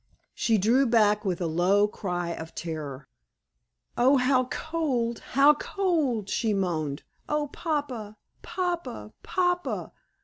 She drew back with a low cry of terror. "Oh! how cold how cold!" she moaned. "Oh, papa! papa! papa!